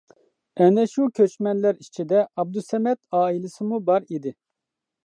ئەنە شۇ كۆچمەنلەر ئىچىدە ئابدۇسەمەت ئائىلىسىمۇ بار ئىدى.